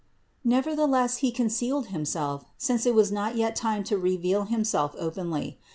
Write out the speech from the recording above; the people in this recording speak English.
Nevertheless He concealed Himself, since it was not yet time to reveal Himself openly.